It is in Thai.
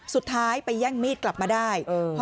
สุดท้ายไปแย่งมีดกลับมาได้